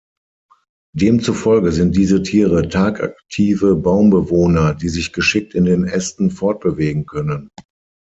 Demzufolge sind diese Tiere tagaktive Baumbewohner, die sich geschickt in den Ästen fortbewegen können.